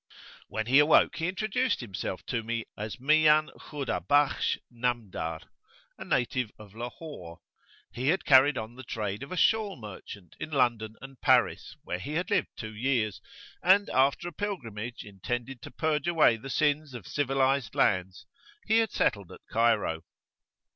When he awoke he introduced himself to me as Miyan Khudabakhsh Namdar, a native of Lahore: he had carried on the trade of a shawl merchant in London and Paris, where he had lived two years, and, after a pilgrimage intended to purge away the sins of civilised lands, he had settled at Cairo.